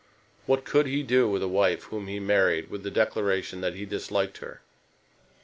What could he do with a wife whom he married with a declaration that he disliked her?